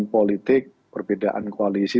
politik perbedaan koalisi